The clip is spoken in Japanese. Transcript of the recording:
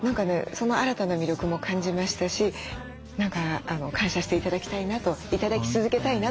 その新たな魅力も感じましたし何か感謝して頂きたいなと頂き続けたいなと思いました。